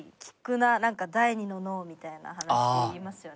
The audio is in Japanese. なんか第２の脳みたいな話言いますよね。